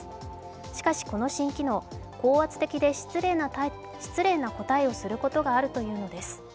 しかし、この新機能、高圧的で失礼な答えをすることがあるというのです。